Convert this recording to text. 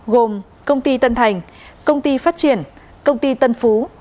gồm công ty tân thành công ty phát triển công ty tân phú